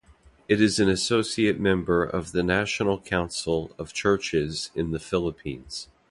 It is an associate member of the National Council of Churches in the Philippines.